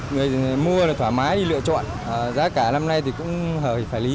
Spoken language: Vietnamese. người mua thì thoải mái đi lựa chọn giá cả năm nay thì cũng hợp lý phải trăng